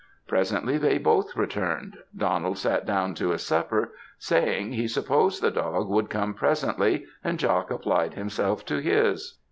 Presently they both returned; Donald sat down to his supper, saying, he supposed the dog would come presently; and Jock applied himself to his.